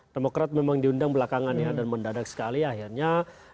demokrat memang diundang belakangan ya dan mendadak sekali akhirnya